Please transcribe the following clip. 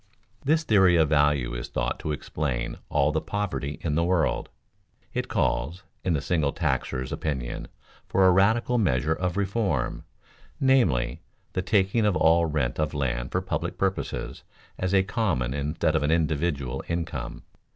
This theory of value is thought to explain all the poverty in the world. It calls, in the single taxer's opinion, for a radical measure of reform, namely, the taking of all rent of land for public purposes as a common instead of an individual income.